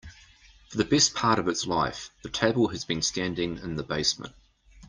For the best part of its life, the table has been standing in the basement.